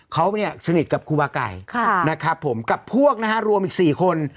เขาเนี่ยสนิทกับครูบาไก่นะครับผมกับพวกนะฮะรวมอีก๔คน